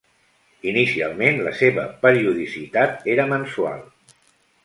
Inicialment la seva periodicitat era mensual.